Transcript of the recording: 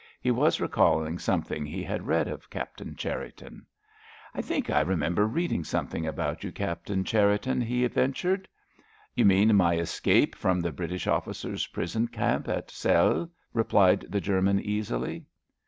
He was recalling something he had read of Captain Cherriton. "I think I remember reading something about you, Captain Cherriton," he ventured. "You mean my escape from the British officers' prison camp at Celle," replied the German, easily.